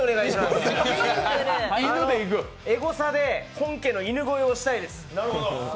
エゴサで本家の犬越えをしたいです。